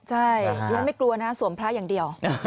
ใช่ดิฉันไม่กลัวนะสวมพระอย่างเดียว